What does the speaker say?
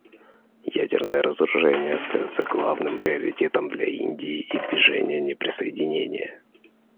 Ядерное разоружение остается главным приоритетом для Индии и Движения неприсоединения.